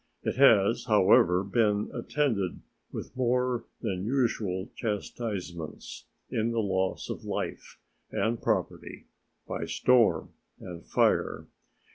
It has, however, been attended with more than usual chastisements in the loss of life and property by storm and fire.